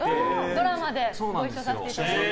ドラマでご一緒させていただいて。